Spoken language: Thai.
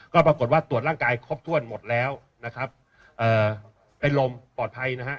ก็ปรากฏว่าตรวจร่างกายครบถ้วนหมดแล้วนะครับเอ่อเป็นลมปลอดภัยนะฮะ